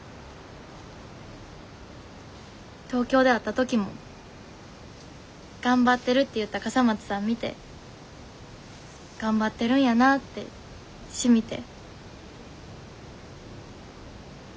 東京で会った時も「頑張ってる」って言った笠松さん見て「頑張ってるんやな」ってしみて。